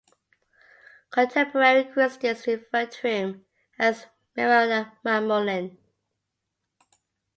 Contemporary Christians referred to him as Miramamolin.